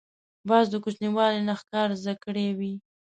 باز د کوچنیوالي نه ښکار زده کړی وي